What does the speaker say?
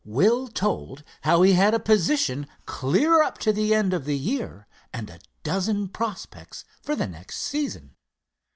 Will told how he had a position clear up to the end of the year and a dozen prospects for the next season.